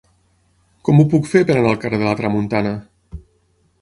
Com ho puc fer per anar al carrer de la Tramuntana?